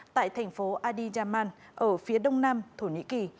tại thành phố adiyaman ở phía đông nam thổ nhĩ kỳ